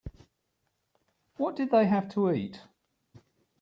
What did they have to eat?